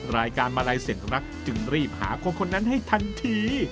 รายการมาลัยเสร็จรักจึงรีบหาคนคนนั้นให้ทันที